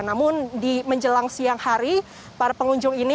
namun di menjelang siang hari para pengunjung ini